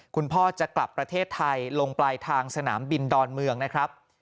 คุณพ่อจะกลับประเทศไทยลงปลายทางสนามบินดอนเมืองนะครับ